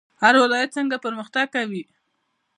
هر ولایت څنګه پرمختګ کوي؟